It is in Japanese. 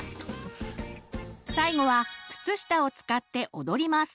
最後は靴下を使って踊ります！